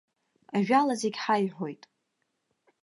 Ажәала зегь ҳаихәоит.